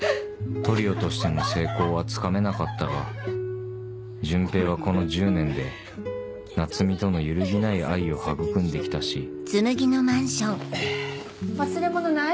トリオとしての成功はつかめなかったが潤平はこの１０年で奈津美との揺るぎない愛を育んで来たし忘れ物ない？